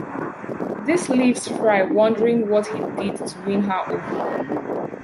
This leaves Fry wondering what he did to win her over.